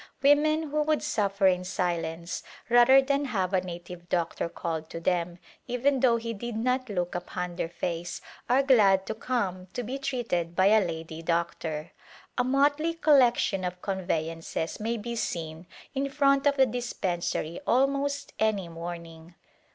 Women who would suffer in silence rather than have a native doctor called to them, even though he did not look upon their face, are glad to come to be treated by a lady doctor. A motley col lection of conveyances may be seen in front of the dispensary almost any morning.